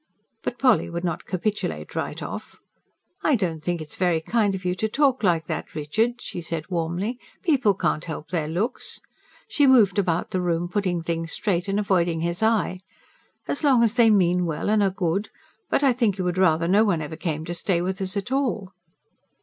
But Polly would not capitulate right off. "I don't think it's very kind of you to talk like that, Richard," she said warmly. "People can't help their looks." She moved about the room putting things straight, and avoiding his eye. "As long as they mean well and are good.... But I think you would rather no one ever came to stay with us, at all."